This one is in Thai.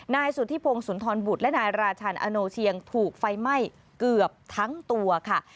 นายสุธิพงศ์สุนทรบุตรและนายราชันอโนเชียงถูกไฟไหม้เกือบทั้งตัวค่ะ